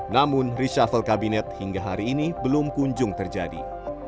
namun reshuffle kabinet hingga hari ini belum kunjung terjadi